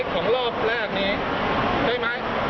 ของรอบแรกนี้ใช่ไหม